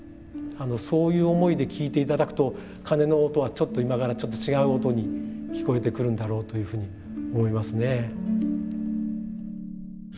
そういう思いで聴いていただくと鐘の音は今からちょっと違う音に聞こえてくるんだろうというふうに思いますね。